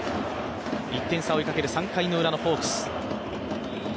１点差を追いかける３回のウラのホークス。